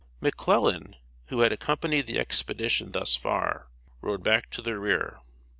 ] McClellan, who had accompanied the expedition thus far, rode back to the rear.